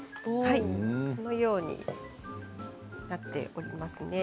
このようになっていますね。